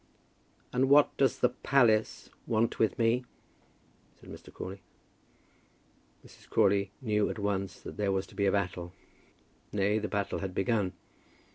"And what does the 'palace' want with me?" said Mr. Crawley. Mrs. Crawley knew at once that there was to be a battle. Nay, the battle had begun.